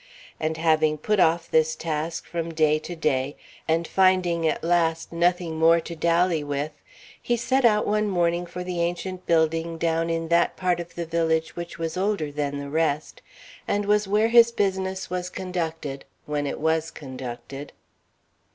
And having put off this task from day to day and finding at last nothing more to dally with, he set out one morning for the ancient building down in that part of the village which was older than the rest and was where his business was conducted when it was conducted.